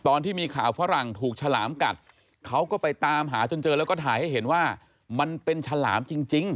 ตอนที่มีข่าวฝรั่งถูกฉลามกัดเขาก็ไปตามหาจนเจอแล้วก็ถ่ายให้เห็นว่ามันเป็นฉลามจริง